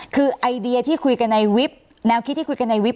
คือไอเดียที่คุยกันในวิปแนวคิดที่คุยกันในวิป